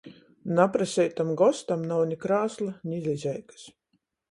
Napraseitam gostam nav ni krāsla, ni lizeikys!